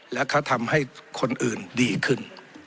และเขาทำให้คนอื่นดีขึ้น